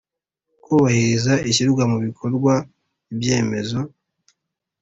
kubahiriza ishyirwa mu bikorwa ibyemezo